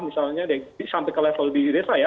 misalnya sampai ke level di desa ya